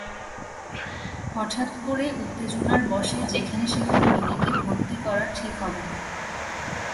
হঠাৎ করে উত্তেজনার বশে যেখানেসেখানে রোগীকে ভর্তি করা ঠিক হবে না।